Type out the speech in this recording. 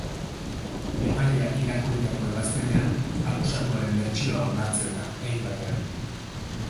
Epaileak irakurritako ebazpenean akusatuaren bertsioa onartzen da, hein batean.